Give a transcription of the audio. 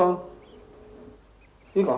いいか？